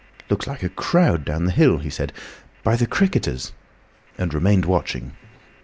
"Looks like a crowd down the hill," he said, "by 'The Cricketers,'" and remained watching.